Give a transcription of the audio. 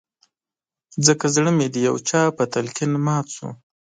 ځکه زړه مې د يو چا په تلقين مات شو